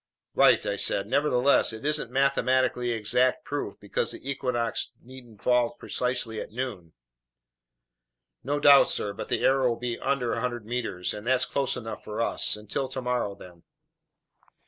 "Right," I said. "Nevertheless, it isn't mathematically exact proof, because the equinox needn't fall precisely at noon." "No doubt, sir, but the error will be under 100 meters, and that's close enough for us. Until tomorrow then."